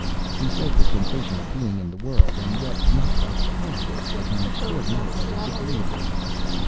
He says the sensation of being in the world, and yet not a part of it, was an extraordinarily disagreeable one.